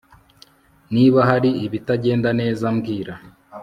Niba hari ibitagenda neza mbwira